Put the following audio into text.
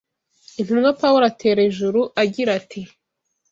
Intumwa Pawulo atera ejuru agira ati